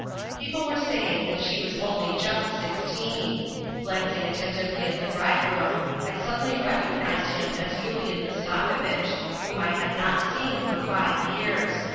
People w T ere saying that she was only just sixteen. Glancing attentively at the bridegroom, I suddenly recognized him as Yulian Mastakovitch, whom I had not seen for five years.